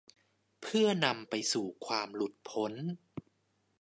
เพื่อนำไปสู่ความหลุดพ้น